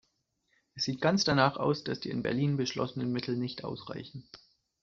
Es sieht ganz danach aus, dass die in Berlin beschlossenen Mittel nicht ausreichen.